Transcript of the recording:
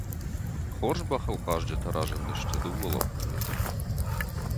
Хорз бӕхылхъазджытӕ разындысты дыууӕ лӕппуйы.